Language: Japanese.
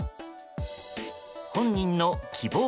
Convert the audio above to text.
本人の希望